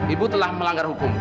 ibu telah melanggar hukum